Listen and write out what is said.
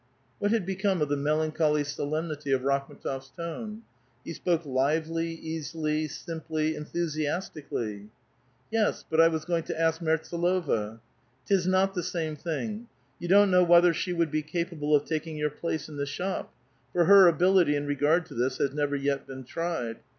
What had become of the melancholy solemnity of Rakh m^tof's tone? He spoke lively, easily, simply, enthusiasti cally. Yes ; but I was goiug to ask MertsAlova." '' 'Tis not the same thing. You don't kuow whether she would be capable of taking your place in the shop ; for her ability in regard to this has never yet been tried.